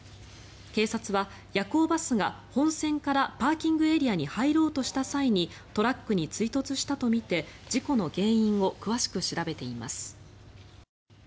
警察は夜行バスが本線からパーキングエリアに入ろうとした際にトラックに追突したとみて事故の原因を詳しく調べています。